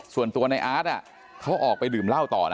ส่วนตัวในอาร์ตเขาออกไปดื่มเหล้าต่อนะ